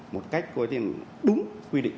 một cách đúng quy định